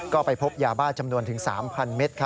ก็ไปพบยาบ้าจำนวนถึง๓๐๐เมตร